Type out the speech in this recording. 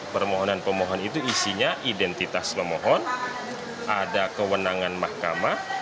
permohonan pemohon itu isinya identitas pemohon ada kewenangan mahkamah